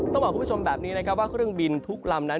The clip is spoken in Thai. ต้องบอกคุณผู้ชมแบบนี้นะครับว่าเครื่องบินทุกลำนั้น